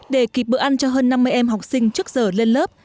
để kịp bữa ăn cho hơn năm mươi em học sinh trước giờ lên lớp